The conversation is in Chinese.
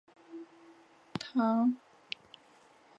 她还在电影中赢得了波士顿影评人协会奖最佳女主角。